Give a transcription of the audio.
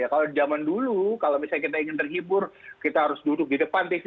kalau zaman dulu kalau misalnya kita ingin terhibur kita harus duduk di depan tv